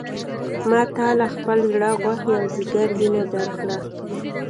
ما تا له خپل زړه غوښې او ځیګر وینه درکړه.